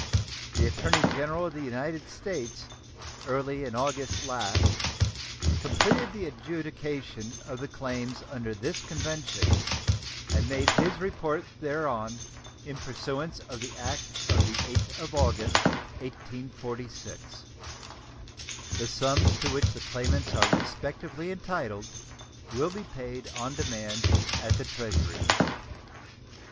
The Attorney General of the United States early in August last completed the adjudication of the claims under this convention, and made his report thereon in pursuance of the act of the 8th of August, 1846. The sums to which the claimants are respectively entitled will be paid on demand at the Treasury.